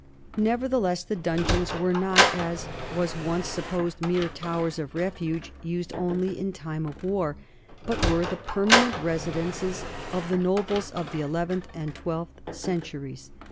Nevertheless the donjons were not, as was once sup posed, mere "towers of refuge used only in time of war," but "were the permanent residences of the nobles of the eleventh and twelfth centuries."